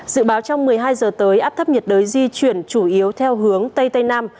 dự báo trong một mươi hai giờ tới áp thấp nhiệt đới di chuyển chủ yếu theo hướng tây tây nam